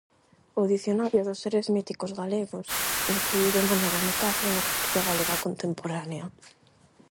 O Dicionario dos seres míticos galegos influíu de maneira notable na cultura galega contemporánea.